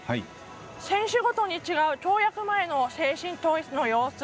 選手ごとに違う、跳躍前の精神統一の様子。